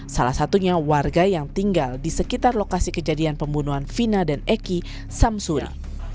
salah satunya warga yang tinggal di sekitar lokasi kejadian pembunuhan vina dan eki samsuri